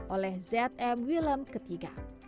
oleh z m wilhem ketiga